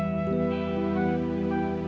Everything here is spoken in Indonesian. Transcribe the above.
kamu mana idan